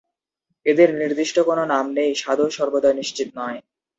এদের নির্দিষ্ট কোনো নাম নেই, স্বাদও সর্বদা নিশ্চিত নয়।